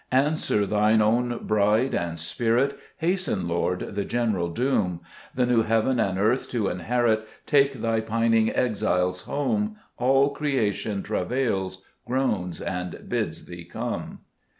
5 Answer Thine own Bride and Spirit ; Hasten, Lord, the general doom ; The new heaven and earth to inherit Take Thy pining exiles home : All creation Travails, groans, and bids Thee come.